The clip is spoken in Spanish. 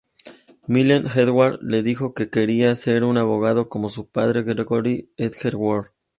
Miles Edgeworth les dijo que quería ser un abogado, como su padre, Gregory Edgeworth.